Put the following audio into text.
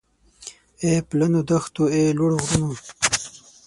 اې پلنو دښتو اې لوړو غرونو